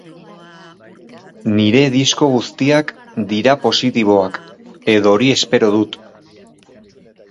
Nire disko guztiak dira positiboak, edo hori espero dut.